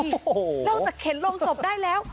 นอกจากเข็ดโลงศพได้แล้ว